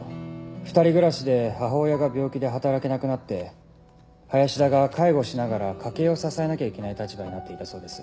２人暮らしで母親が病気で働けなくなって林田が介護しながら家計を支えなきゃいけない立場になっていたそうです。